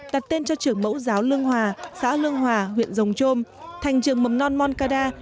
đặt tên cho trường mẫu giáo lương hòa xã lương hòa huyện rồng trôm thành trường mầm non moncada